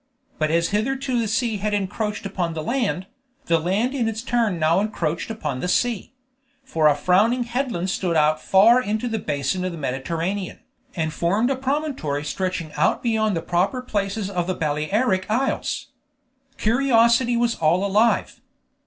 But as hitherto the sea had encroached upon the land, the land in its turn now encroached upon the sea; for a frowning headland stood out far into the basin of the Mediterranean, and formed a promontory stretching out beyond the proper places of the Balearic Isles. Curiosity was all alive.